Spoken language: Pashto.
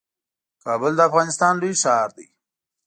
کابل د افغانستان لوی ښار دئ